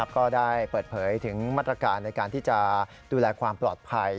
ก็ได้เปิดเผยถึงมาตรการในการที่จะดูแลความปลอดภัย